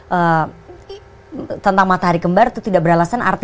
eee tentang matahari kembar itu tidak beralasan artinya apa